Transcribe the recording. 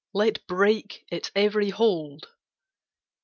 Let break its every hold!